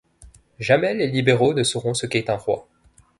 Jamais les libéraux ne sauront ce qu’est un roi.